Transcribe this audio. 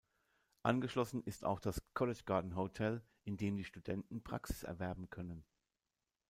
Angeschlossen ist auch das „College Garden Hotel“, in dem die Studenten Praxis erwerben können.